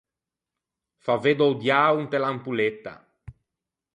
Fâ vedde o diao inte l’ampolletta.